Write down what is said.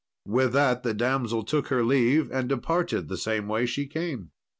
With that the damsel took her leave, and departed the same way she came.